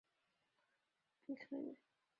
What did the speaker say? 他们语言也变成乌兹别克语。